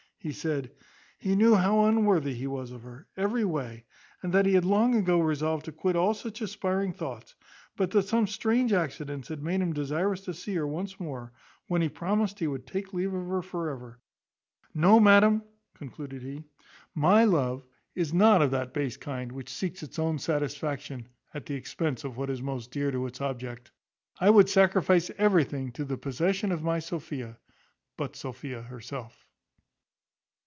He said, "he knew how unworthy he was of her, every way, that he had long ago resolved to quit all such aspiring thoughts, but that some strange accidents had made him desirous to see her once more, when he promised he would take leave of her for ever. No, madam," concluded he, "my love is not of that base kind which seeks its own satisfaction at the expense of what is most dear to its object. I would sacrifice everything to the possession of my Sophia, but Sophia herself."